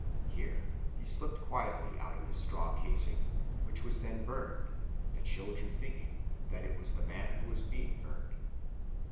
Here he slipped quietly out of his straw casing, which was then burned, the children thinking that it was the man who was being burned.